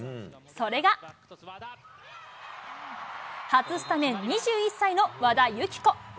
それが、初スタメン、２１歳の和田由紀子。